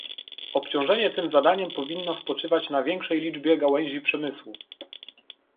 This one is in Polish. Obciążenie tym zadaniem powinno spoczywać na większej liczbie gałęzi przemysłu